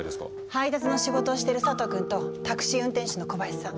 配達の仕事をしてる佐藤君とタクシー運転手の小林さん。